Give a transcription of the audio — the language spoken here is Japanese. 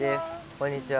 こんにちは。